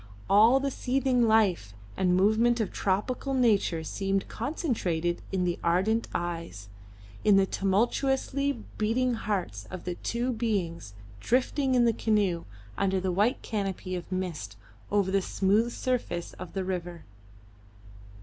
All the seething life and movement of tropical nature seemed concentrated in the ardent eyes, in the tumultuously beating hearts of the two beings drifting in the canoe, under the white canopy of mist, over the smooth surface of the river.